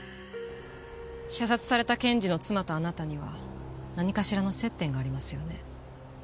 射殺された検事の妻とあなたには何かしらの接点がありますよね。